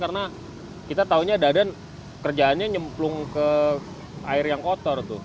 karena kita tahunya dadan kerjaannya nyemplung ke air yang otor tuh